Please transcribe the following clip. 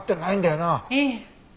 ええ。